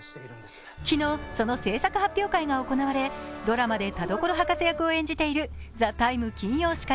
昨日、その制作発表会が行われ、ドラマで田所博士役を演じている「ＴＨＥＴＩＭＥ，」金曜司会